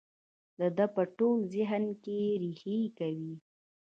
د ده په ټول ذهن کې رېښې کوي.